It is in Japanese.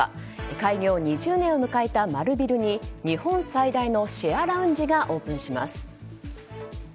開業２０年を迎えた丸ビルに日本最大のシェアラウンジがオープンします。